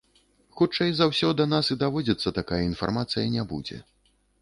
Хутчэй за ўсё, да нас і даводзіцца такая інфармацыя не будзе.